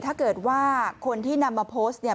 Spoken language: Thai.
ถ้าเกิดว่าคนที่นำมาโพสต์เนี่ย